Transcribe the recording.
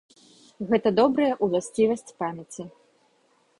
Гэта добрая ўласцівасць памяці.